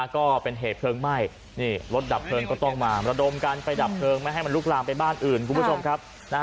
ก็เป็นเหตุเพลิงไหม้รถดับเพลิงก็ต้องมาระดมการไปดับเพลิงไม่ให้มันลุกล้ามไปบ้านอื่น